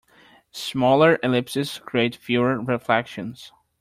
Smaller ellipses create fewer reflections.